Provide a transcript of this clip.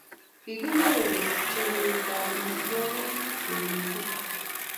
Kikinyoru chopinte ab amitwokik kokiru